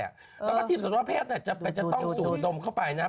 แล้วก็ทีมสำรวจแพทย์มันจะต้องสูดดมเข้าไปนะ